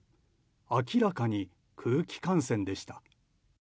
明らかに空気感染でした。